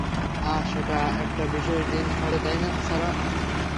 আহ, সেটা একটা বিশেষ দিন হবে, তাই না স্যারা?